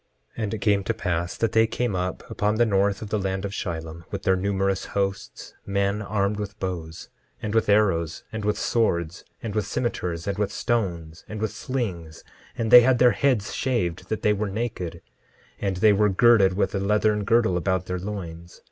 10:8 And it came to pass that they came up upon the north of the land of Shilom, with their numerous hosts, men armed with bows, and with arrows, and with swords, and with cimeters, and with stones, and with slings; and they had their heads shaved that they were naked; and they were girded with a leathern girdle about their loins.